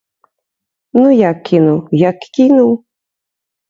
Ну як кінуў, як кінуў.